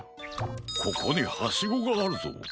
ここにハシゴがあるぞ。